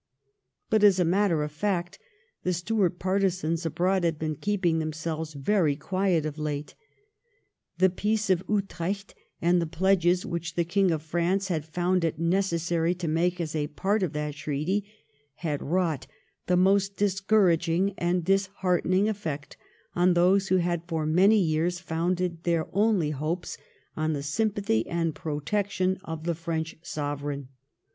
But as a matter of fact the Stuart partisans abroad had been keeping themselves very quiet of late. The Peace of Utrecht, and the pledges which the King of Prance had found it necessary to make as a part of that treaty, had wrought the most discouraging and disheartening effect on those who had for many years founded their only hopes on the sympathy and protection of the French Sovereign.